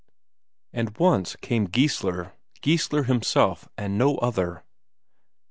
And once came Geissler Geissler himself, and no other.